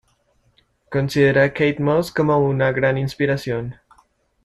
Considera a Kate Moss como una gran inspiración.